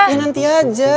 ya nanti aja